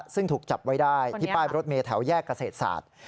ซึ่งถูกจับไว้ได้ที่ป้ายรถเมย์แถวแยกเกษตรศาสตร์